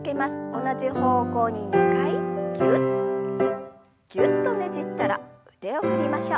同じ方向に２回ぎゅっぎゅっとねじったら腕を振りましょう。